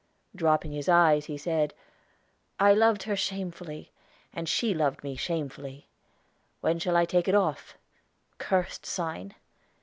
Dropping his eyes, he said: "I loved her shamefully, and she loved me shamefully. When shall I take it off cursed sign?"